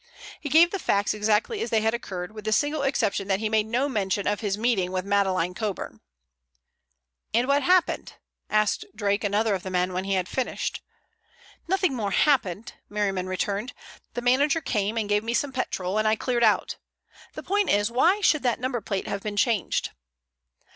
He gave the facts exactly as they had occurred, with the single exception that he made no mention of his meeting with Madeleine Coburn. "And what happened?" asked Drake, another of the men, when he had finished. "Nothing more happened," Merriman returned. "The manager came and gave me some petrol, and I cleared out. The point is, why should that number plate have been changed?"